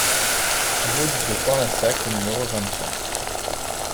Route de Cornassac au numéro vingt-cinq